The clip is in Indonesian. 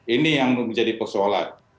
ini yang menjadi persoalan